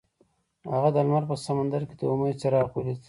هغه د لمر په سمندر کې د امید څراغ ولید.